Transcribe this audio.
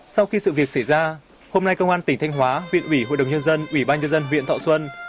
sau khi sự việc xảy ra hôm nay công an tỉnh thanh hóa huyện ủy hội đồng nhân dân ủy ban nhân dân huyện thọ xuân